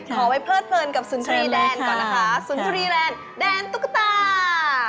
ขอไว้เพลิดเพลินกับสุนทรีย์แดนก่อนนะคะสุนทรีแลนด์แดนตุ๊กตา